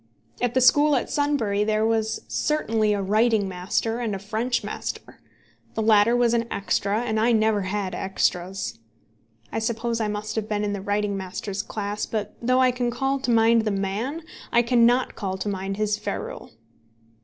At the school at Sunbury there was certainly a writing master and a French master. The latter was an extra, and I never had extras. I suppose I must have been in the writing master's class, but though I can call to mind the man, I cannot call to mind his ferule.